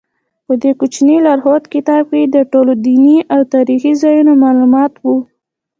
په دې کوچني لارښود کتاب کې د ټولو دیني او تاریخي ځایونو معلومات و.